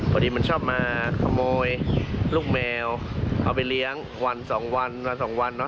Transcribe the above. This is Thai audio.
พอดีมันชอบมาขโมยลูกแมวเอาไปเลี้ยงวันสองวันวันสองวันเนาะ